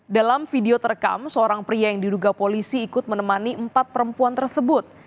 dalam video terekam seorang pria yang diduga polisi ikut menemani empat perempuan tersebut